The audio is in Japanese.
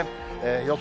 予想